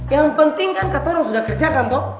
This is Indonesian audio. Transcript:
yang penting kan kata orang sudah kerjakan toh